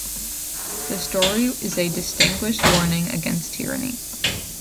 The story is a disguised warning against tyranny.